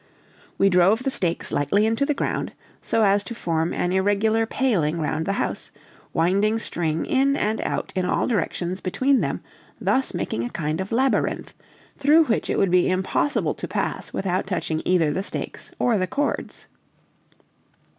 We drove the stakes lightly into the ground, so as to form an irregular paling round the house, winding string in and out in all directions between them thus making a kind of labyrinth, through which it would be impossible to pass without touching either the stakes or the cords.